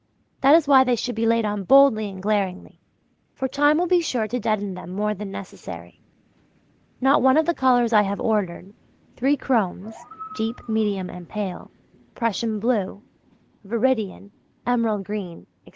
That is why they should be laid on boldly and glaringly; for time will be sure to deaden them more than necessary. Not one of the colours I have ordered: three chromes (deep, medium and pale), Prussian blue, veridian, emerald green etc.